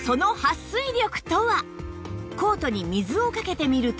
コートに水をかけてみると